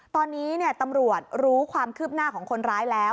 ตอนนี้ตำรวจรู้ความคืบหน้าของคนร้ายแล้ว